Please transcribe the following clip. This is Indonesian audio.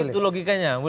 tidak begitu logikanya